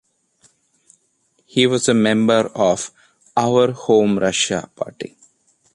He was a member of Our Home - Russia party.